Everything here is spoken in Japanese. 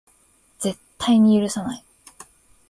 絶対に許さない